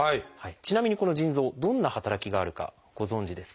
ちなみにこの腎臓どんな働きがあるかご存じですか？